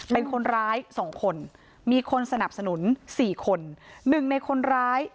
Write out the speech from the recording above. เป็นคนร้ายสองคนมีคนสนับสนุนสี่คนหนึ่งในคนร้าย